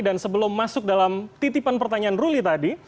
dan sebelum masuk dalam titipan pertanyaan ruli tadi